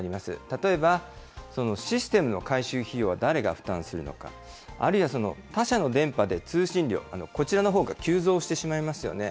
例えば、システムの改修費用は誰が負担するのか、あるいは他社の電波で通信量、こちらのほうが急増してしまいますよね。